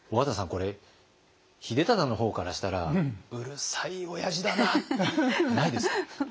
これ秀忠の方からしたらうるさいおやじだなないですか？